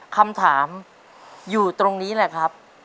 คำถามอยู่ตรงนี้แหละครับ